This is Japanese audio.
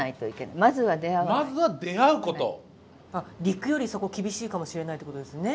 陸よりそこ厳しいかもしれないってことですね。